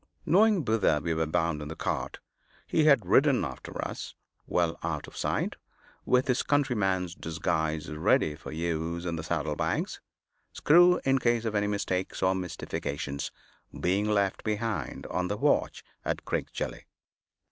Knowing whither we were bound in the cart, he had ridden after us, well out of sight, with his countryman's disguise ready for use in the saddle bags Screw, in case of any mistakes or mystifications, being left behind on the watch at Crickgelly.